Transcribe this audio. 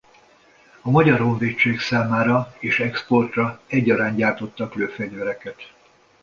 A Magyar Honvédség számára és exportra egyaránt gyártottak lőfegyvereket.